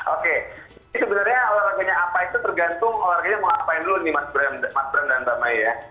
oke ini sebenarnya olahraganya apa itu tergantung olahraganya mau ngapain dulu nih mas bram dan mbak may ya